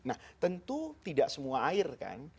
nah tentu tidak semua air kan